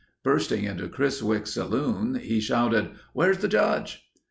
Bursting into Chris Wicht's saloon, he shouted, "Where's the Judge?"